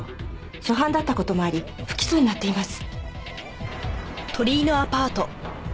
初犯だった事もあり不起訴になっています。